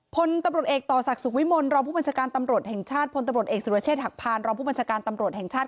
ผลตำลดเอกต่อศักดิ์สุขวิมลรอบผู้บัญชาการตำลดแห่งชาติ